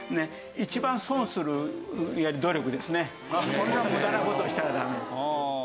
こんな無駄な事をしたらダメです。